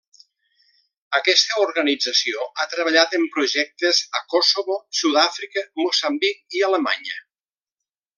Aquesta organització ha treballat en projectes a Kosovo, Sud-àfrica, Moçambic i Alemanya.